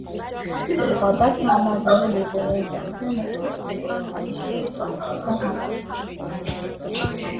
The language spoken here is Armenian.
Նպատակն է համատեղել երկրների ջանքերը մթնոլորտի օզոնային շերտի պահպանության համար։